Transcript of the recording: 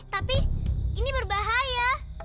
tapi ini berbahaya